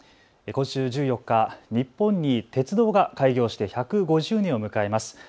今週１４日、日本に鉄道が開業して１５０年を迎えます。